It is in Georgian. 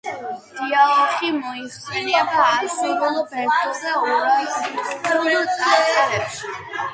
დიაოხი მოიხსენიება ასურულ, ბერძნულ და ურარტულ წარწერებში.